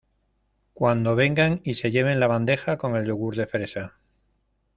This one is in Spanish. cuando vengan y se lleven la bandeja con el yogur de fresa